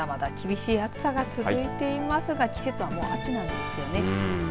まだまだ厳しい暑さが続いていますが季節はまだ秋なんですよね。